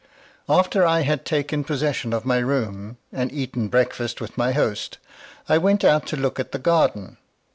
After I had taken possession of my room, and eaten breakfast with my host, I went out to look at the garden.